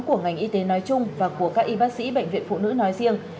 của ngành y tế nói chung và của các y bác sĩ bệnh viện phụ nữ nói riêng